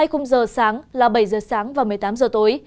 hai khung giờ sáng là bảy h sáng và một mươi tám h tối